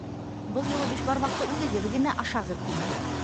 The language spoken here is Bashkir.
- Был юлы бишбармаҡты үҙегеҙ генә ашағыҙ инде.